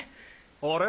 あれ？